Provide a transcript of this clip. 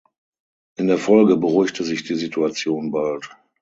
In der Folge beruhigte sich die Situation bald.